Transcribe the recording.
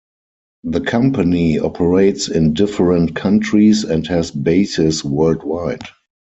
The company operates in different countries and has bases worldwide.